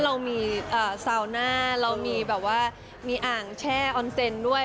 เรามีซาวน่าเรามีแบบว่ามีอ่างแช่ออนเซนด้วย